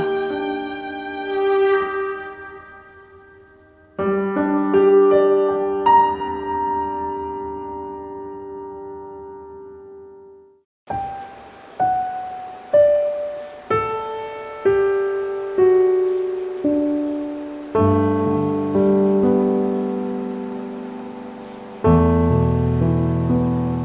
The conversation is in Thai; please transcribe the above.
มิสูจิ